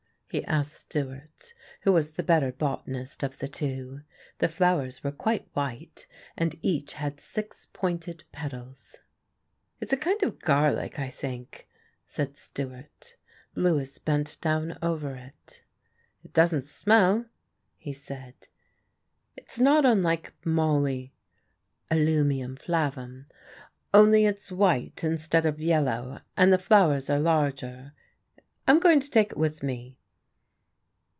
he asked Stewart, who was the better botanist of the two. The flowers were quite white, and each had six pointed petals. "It's a kind of garlic, I think," said Stewart. Lewis bent down over it. "It doesn't smell," he said. "It's not unlike moly (Allium flavum), only it's white instead of yellow, and the flowers are larger. I'm going to take it with me."